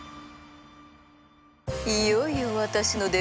いよいよ私の出番ね。